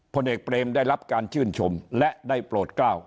ผลเอกเปรมได้รับการชื่นชมและได้โปรดกล้าว